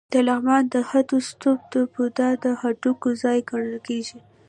د لغمان د هده ستوپ د بودا د هډوکو ځای ګڼل کېږي